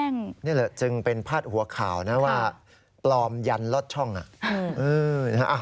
นี่แหละจึงเป็นพาดหัวข่าวนะว่าปลอมยันลอดช่อง